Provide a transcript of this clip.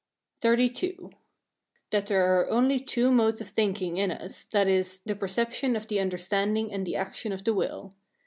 XXXII. That there are only two modes of thinking in us, viz., the perception of the understanding and the action of the will.